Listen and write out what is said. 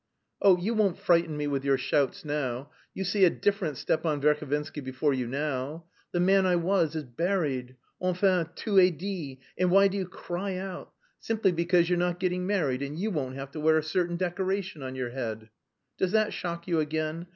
"Oh, you won't frighten me with your shouts now. You see a different Stepan Verhovensky before you now. The man I was is buried. Enfin, tout est dit. And why do you cry out? Simply because you're not getting married, and you won't have to wear a certain decoration on your head. Does that shock you again?